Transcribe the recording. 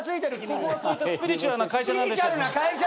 ここはスピリチュアルな会社。